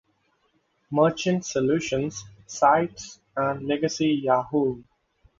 Merchant Solutions sites and legacy Yahoo!